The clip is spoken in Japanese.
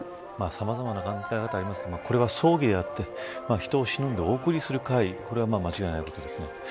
さまざまな考え方ありますけどこれは葬儀であって人をしのんでお送りする会これは間違いないことですね。